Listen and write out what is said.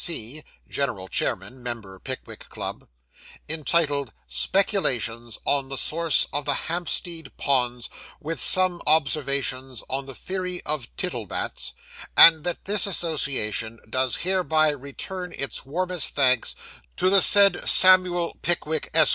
P.C. [General Chairman Member Pickwick Club], entitled "Speculations on the Source of the Hampstead Ponds, with some Observations on the Theory of Tittlebats;" and that this Association does hereby return its warmest thanks to the said Samuel Pickwick, Esq.